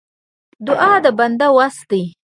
دعا د بنده وس دی.